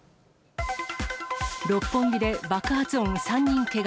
六本木で爆発音、３人けが。